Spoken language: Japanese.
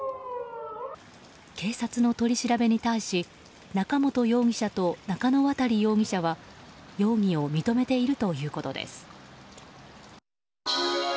警察の取り調べに対し中本容疑者と中野渡容疑者は容疑を認めているということです。